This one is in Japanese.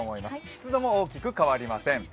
湿度もそんなに変わりません。